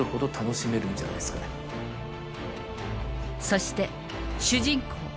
そして主人公